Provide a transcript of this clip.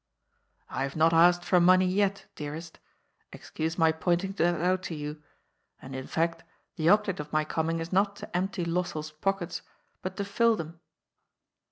" I have not asked for money yet, dearest ; excuse my pointing that out to you. And, in fact, the object of my coming is not to empty LosseU's pockets, but to fill them."